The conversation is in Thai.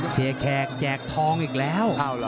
แขกแจกทองอีกแล้ว